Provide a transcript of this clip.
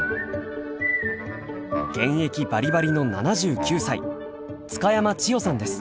現役バリバリの７９歳津嘉山千代さんです。